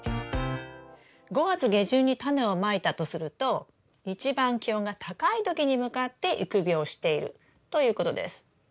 ５月下旬にタネをまいたとすると一番気温が高い時に向かって育苗しているということです。